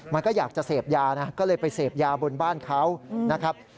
มันก็อยากจะเสพยานะก็เลยไปเสพยาบนบ้านเขานะครับ